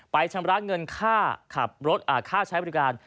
ไปชำระเงินค่าใช้บริการ